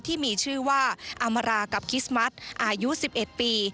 ที่มีชื่อว่าอามรากับคิสมัสอายุ๑๑ปี